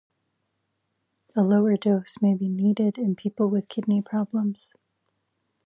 A lower dose may be needed in people with kidney problems.